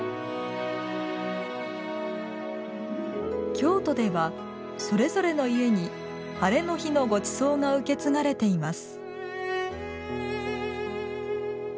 京都ではそれぞれの家にハレの日のごちそうが受け継がれています。